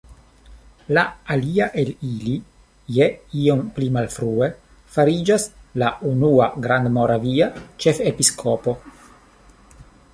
La alia el ili je iom pli malfrue fariĝas la unua grandmoravia ĉefepiskopo.